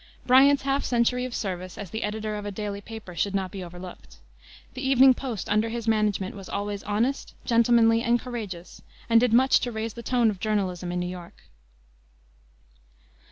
Bryant's half century of service as the editor of a daily paper should not be overlooked. The Evening Post, under his management, was always honest, gentlemanly, and courageous, and did much to raise the tone of journalism in New York.